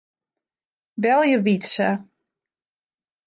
Belje Wytse.